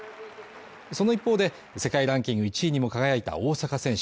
その一方で世界ランキング１位にも輝いた大坂選手